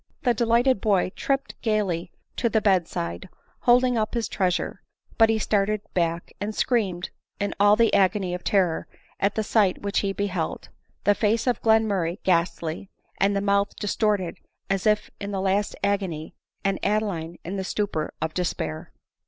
The delighted boy tripped gaily to the bed side, hold ing up his treasure ; but he started back, and screamed in all the agony of terror, at the sight which he beheld — the face of Glenmurray, ghastly, and the mouth distorted as if in the last agony, and Adeline in the stupor of despair.